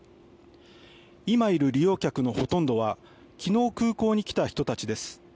今いる利用客のほとんどは昨日、空港に来た人たちです。